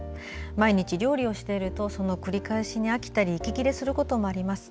毎日、料理をしているとその繰り返しに飽きたり息切れすることもあります。